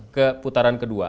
ke putaran kedua